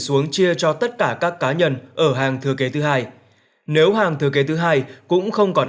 xuống chia cho tất cả các cá nhân ở hàng thừa kế thứ hai nếu hàng thừa kế thứ hai cũng không còn